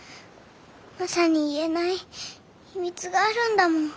マサに言えない秘密があるんだもん。